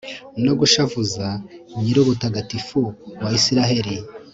no gushavuza nyir'ubutagatifu wa israheli